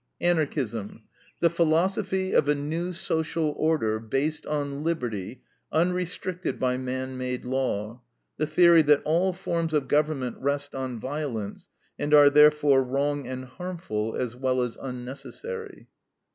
ANARCHISM: The philosophy of a new social order based on liberty unrestricted by man made law; the theory that all forms of government rest on violence, and are therefore wrong and harmful, as well as unnecessary.